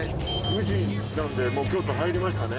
宇治なんでもう京都入りましたね。